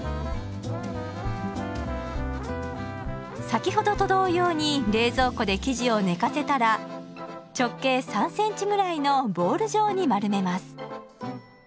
先ほどと同様に冷蔵庫で生地を寝かせたら直径３センチぐらいのボール状に丸めます。